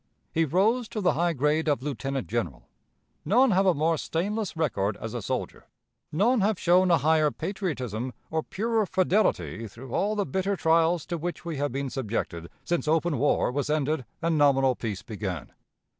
He rose to the high grade of lieutenant general. None have a more stainless record as a soldier, none have shown a higher patriotism or purer fidelity through all the bitter trials to which we have been subjected since open war was ended and nominal peace began.